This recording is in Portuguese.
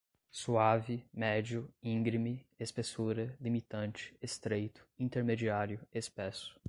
suave, médio, íngreme, espessura, limitante, estreito, intermediário, espesso